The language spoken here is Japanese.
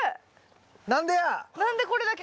何でや？